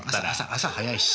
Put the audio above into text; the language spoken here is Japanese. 朝朝早いし。